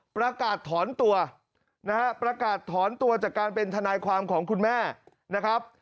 ประกาศถอนตัวนะฮะประกาศถอนตัวจากการเป็นทนายความของคุณแม่นะครับ